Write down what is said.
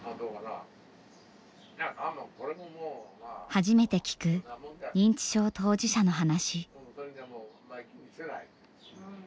初めて聞く認知症当事者の話。